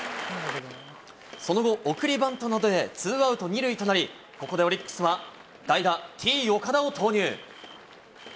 その後、送りバントなどでツーアウト２塁となり、ここでオリックスは代打、Ｔー岡田を投入。